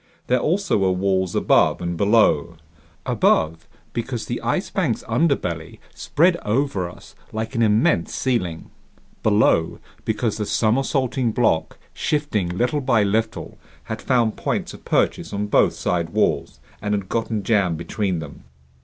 There also were walls above and below. Above, because the Ice Bank's underbelly spread over us like an immense ceiling. Below, because the somersaulting block, shifting little by little, had found points of purchase on both side walls and had gotten jammed between them.